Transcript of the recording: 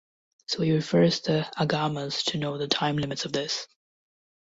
So he refers the "agamas" to know the time limits of this.